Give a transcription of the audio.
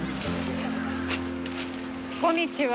こんにちは。